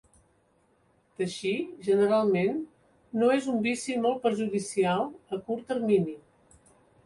Teixir, generalment, no és un vici molt perjudicial a curt termini.